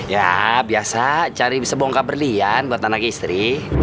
ya biasa cari sebongkar berlian buat anak istri